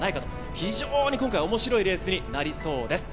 非常に今回、おもしろいレースになりそうです。